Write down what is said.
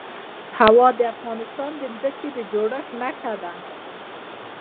هوا د افغانستان د ځمکې د جوړښت نښه ده.